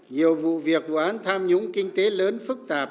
nhiều vụ việc vụ án tham nhũng kinh tế lớn phức tạp